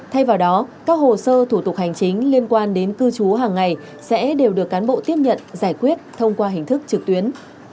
thay vào đó các hồ sơ thủ tục hành chính liên quan đến cư trú hàng ngày sẽ đều được cán bộ tiếp nhận giải quyết thông qua hình thức trực tuyến